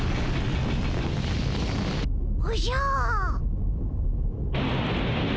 おじゃ。